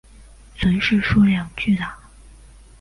存世数量巨大。